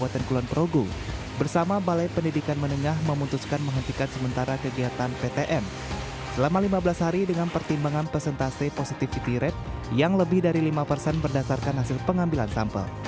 jadi pembelajaran kembali ke darim ya